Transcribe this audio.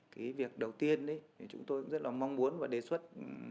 cái việc đầu tiên chúng tôi rất là mong muốn và đề xuất